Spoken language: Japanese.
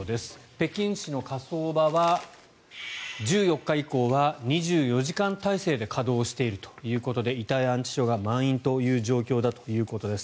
北京市の火葬場は１４日以降は２４時間体制で稼働しているということで遺体安置所が満員という状況だということです。